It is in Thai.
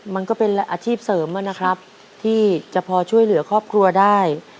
มันก็เป็นอาชีพเสริมนะครับที่จะพอช่วยเหลือครอบครัวได้